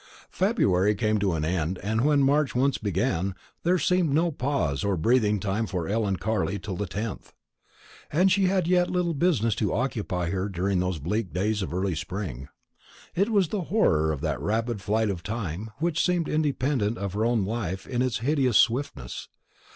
February came to an end; and when March once began, there seemed no pause or breathing time for Ellen Carley till the 10th. And yet she had little business to occupy her during those bleak days of early spring. It was the horror of that rapid flight of time, which seemed independent of her own life in its hideous swiftness.